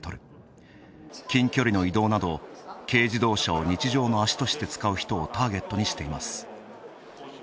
近距離の移動など、軽自動車を日常の足として使う人をターゲットにしています。